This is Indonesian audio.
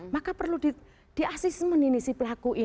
maka perlu di asisten ini si pelaku ini